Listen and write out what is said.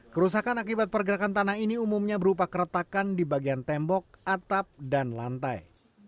kerusakan akibat pergerakan tanah ini umumnya berupa keretakan di bagian tembok atap dan lantai